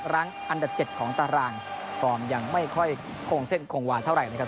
รั้งอันดับ๗ของตารางฟอร์มยังไม่ค่อยคงเส้นคงวาเท่าไหร่นะครับ